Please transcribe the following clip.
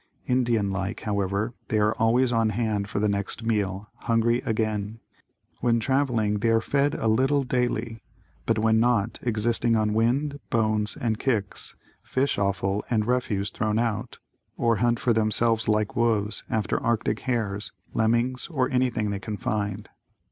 Indian like, however, they are always on hand for the next meal, hungry again. When traveling, they are fed a little daily, but when not, exist on wind, bones and kicks, fish offal and refuse thrown out, or hunt for themselves like wolves, after Arctic hares, lemmings or anything they can find.